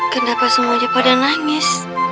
kenapa semuanya pada nangis